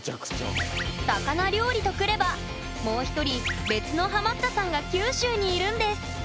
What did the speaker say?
魚料理とくればもう一人別のハマったさんが九州にいるんです！